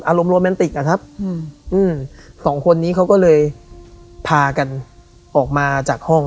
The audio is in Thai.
อารมณ์โรแมนติกอะครับสองคนนี้เขาก็เลยพากันออกมาจากห้อง